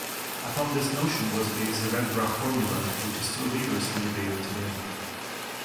Upon this notion was based the Radbruch formula, which is still vigorously debated today.